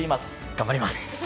頑張ります！